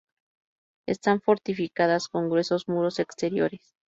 Están fortificadas con gruesos muros exteriores.